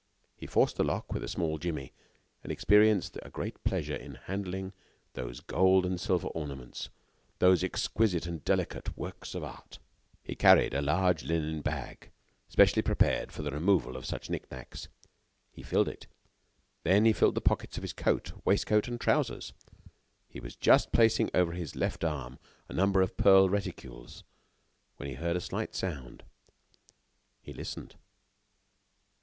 He forced the lock with a small jimmy, and experienced a great pleasure in handling those gold and silver ornaments, those exquisite and delicate works of art. He carried a large linen bag, specially prepared for the removal of such knick knacks. He filled it. Then he filled the pockets of his coat, waistcoat and trousers. And he was just placing over his left arm a number of pearl reticules when he heard a slight sound. He listened.